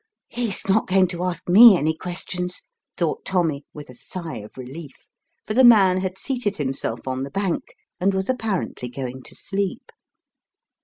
" He's not going to ask me any questions," thought Tommy with a sigh of relief, for the man had seated himself on the bank and was apparently going to sleep.